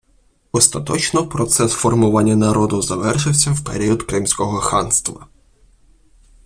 Остаточно процес формування народу завершився в період Кримського ханства.